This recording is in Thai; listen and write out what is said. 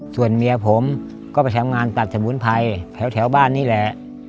ส่วนเมียผมก็ไปทำงานตัดสมุนไพรแถวบ้านนี่แหละ